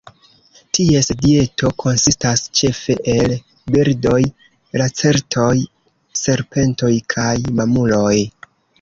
Ties dieto konsistas ĉefe el birdoj, lacertoj, serpentoj kaj mamuloj.